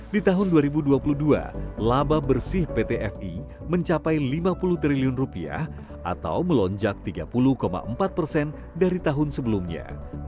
di tahun dua ribu dua puluh dua laba bersih pt fi mencapai lima puluh triliun rupiah atau melonjak tiga puluh empat persen dari tahun sebelumnya